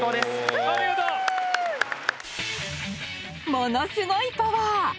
ものすごいパワー！